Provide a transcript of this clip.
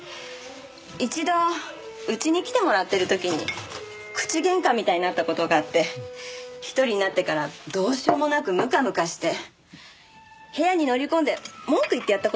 一度家に来てもらってる時に口喧嘩みたいになった事があって１人になってからどうしようもなくムカムカして部屋に乗り込んで文句言ってやった事があるんです。